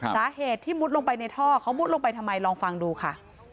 สาเหตุที่มุดลงไปในท่อเขามุดลงไปทำไมลองฟังดูค่ะ